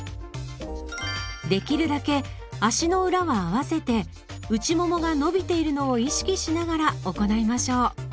できるだけ足の裏は合わせて内ももが伸びているのを意識しながら行いましょう。